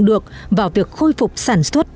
được vào việc khôi phục sản xuất